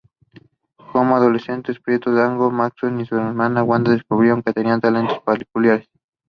The Racers will play their home games at Roy Stewart Stadium.